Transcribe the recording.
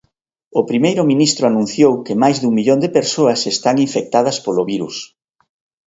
O primeiro ministro anunciou que máis dun millón de persoas están infectadas polo virus.